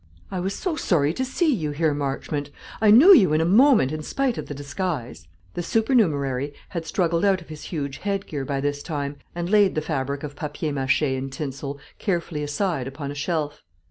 "I was so sorry to see you here, Marchmont; I knew you in a moment, in spite of the disguise." The supernumerary had struggled out of his huge head gear by this time, and laid the fabric of papier mâché and tinsel carefully aside upon a shelf.